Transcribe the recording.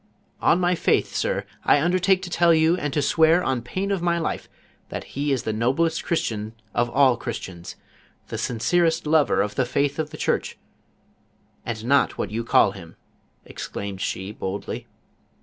"On my fiith. sir, I un dertake to tell you and to swear on pain of my hfo, thaf he is the noblest Christian of all Christians, thu sinccrcst lover of the f.iitli of tho Church, and not what you call him," exclaimed she boldly.